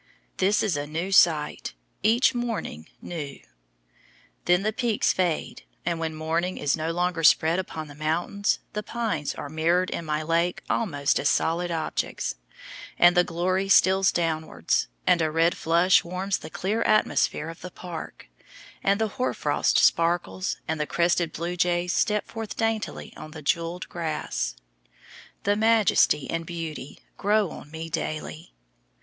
This is a new sight, each morning new. Then the peaks fade, and when morning is no longer "spread upon the mountains," the pines are mirrored in my lake almost as solid objects, and the glory steals downwards, and a red flush warms the clear atmosphere of the park, and the hoar frost sparkles and the crested blue jays step forth daintily on the jewelled grass. The majesty and beauty grow on me daily.